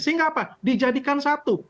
sehingga apa dijadikan satu